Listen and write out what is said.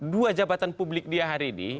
dua jabatan publik dia hari ini